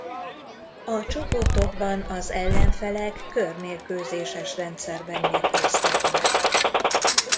A csoportokban az ellenfelek körmérkőzéses rendszerben mérkőztek meg.